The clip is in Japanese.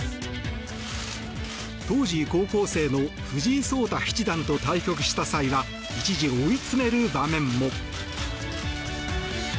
当時、高校生の藤井聡太七段と対局した際には一時、追い詰める場面も。